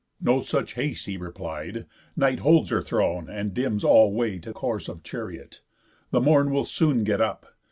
"No such haste," he replied, "Night holds her throne, And dims all way to course of chariot. The morn will soon get up.